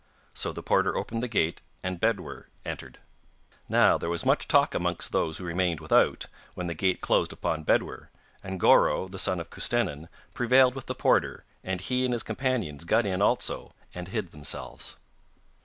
So the porter opened the gate and Bedwyr entered. Now there was much talk amongst those who remained without when the gate closed upon Bedwyr, and Goreu, son of Custennin, prevailed with the porter, and he and his companions got in also and hid themselves.